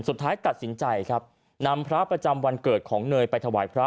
สุดท้ายตัดสินใจครับนำพระประจำวันเกิดของเนยไปถวายพระ